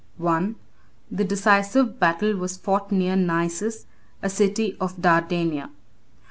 I. The decisive battle was fought near Naissus, a city of Dardania.